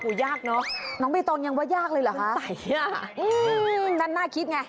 ยากเนอะน้องใบตองยังว่ายากเลยเหรอคะใส่อ่ะอืมนั่นน่าคิดไง